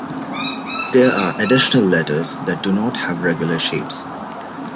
There are additional letters that do not have regular shapes.